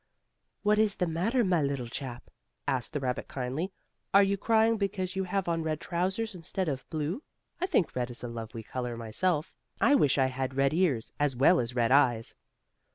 "What is the matter, my little chap?" asked the rabbit kindly. "Are you crying because you have on red trousers instead of blue? I think red is a lovely color myself. I wish I had red ears, as well as red eyes."